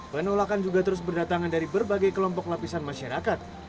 penolakan juga terus berdatangan dari berbagai kelompok lapisan masyarakat